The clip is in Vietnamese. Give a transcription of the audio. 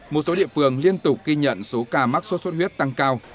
một số địa phương liên tục ghi nhận số ca mắc sốt xuất huyết tăng cao